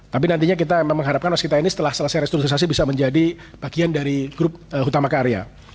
tapi nantinya kita memang mengharapkan waskita ini setelah selesai restrukturisasi bisa menjadi bagian dari grup utama karya